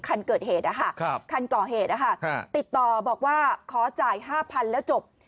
คันเกิดเหตุคันก่อเหตุติดต่อบอกว่าขอจ่าย๕๐๐๐แล้วจบ